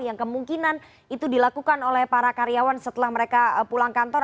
yang kemungkinan itu dilakukan oleh para karyawan setelah mereka pulang kantor